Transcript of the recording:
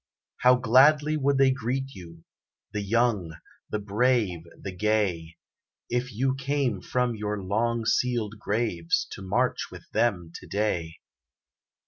How gladly would they greet you, The young the brave the gay, If you came from your long sealed graves, To march with them to day.